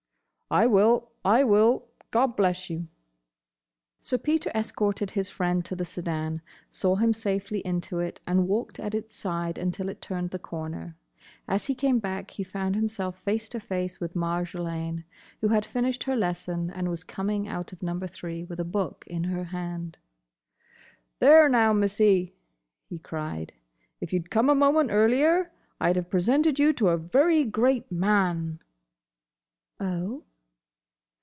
"I will. I will. God bless you." Sir Peter escorted his friend to the sedan; saw him safely into it and walked at its side until it turned the corner. As he came back he found himself face to face with Marjolaine, who had finished her lesson and was coming out of Number Three with a book in her hand. "There, now, Missie," he cried, "if you'd come a moment earlier, I'd have presented you to a very great man!" "Oh?"